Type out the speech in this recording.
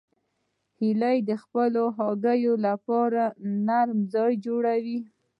هیلۍ د خپلو هګیو لپاره نرم ځای جوړوي